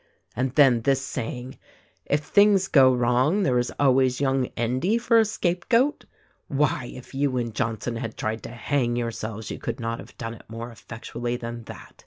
And then this saying, 'If things go wrong there is always young Endy for a scape goat.' Why, if you and Johnson had tried to hang your selves you could not have done it more effectually than that.